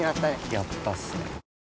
やったっすね！